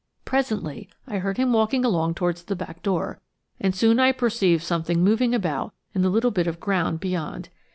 Presently I heard him walking along towards the back door, and soon I perceived something moving about in the little bit of ground beyond.